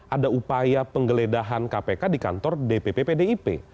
ada upaya penggeledahan kpk di kantor dpp pdip